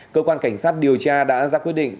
cơ quan cảnh sát điều tra đã ra quyết định